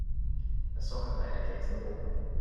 A soccer player kicks a ball.